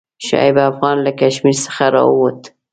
شعیب افغان له کشمیر څخه راووت.